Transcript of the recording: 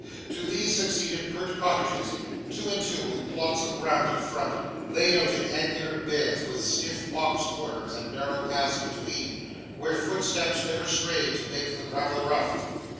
To these succeeded pert cottages, two and two with plots of ground in front, laid out in angular beds with stiff box borders and narrow paths between, where footstep never strayed to make the gravel rough.